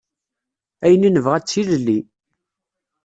Ayen i nebɣa d tilelli.